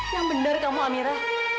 yang benar kamu amira